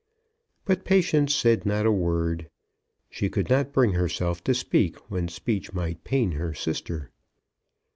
But Patience said not a word. She could not bring herself to speak when speech might pain her sister.